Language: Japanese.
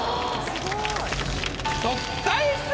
すごい。